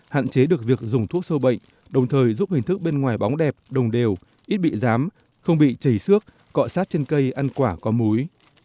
hạn chế được việc dùng thuốc sâu bệnh đồng thời giúp hình thức bên ngoài bóng đẹp đồng đều ít bị giám không bị chảy xước cọ sát trên cây ăn quả có múi